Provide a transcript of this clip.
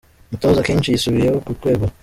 Umutoza Keshi yisubiyeho ku kwegura